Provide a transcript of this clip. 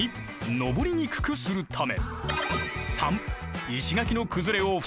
登りにくくするため。